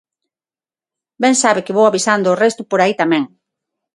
Ben sabe que vou avisando o resto por aí tamén.